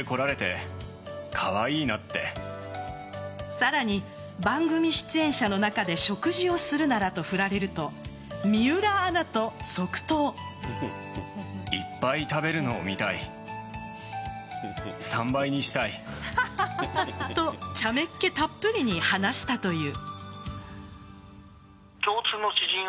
さらに、番組出演者の中で食事をするならと振られると水卜アナと即答。と茶目っ気たっぷりに話したという。